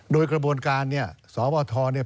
โดยกระบวนการเนี่ยสบทเนี่ย